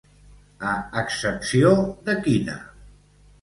A excepció de quina?